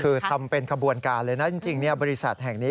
คือทำเป็นขบวนการเลยนะจริงบริษัทแห่งนี้